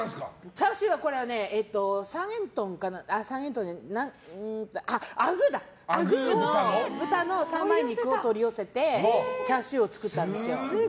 チャーシューはアグー豚の三枚肉を取り寄せてチャーシューを作ったんですよ。